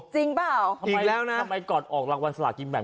จริงเปล่าอีกแล้วนะทำไมกอดออกรางวัลสลากินแบบ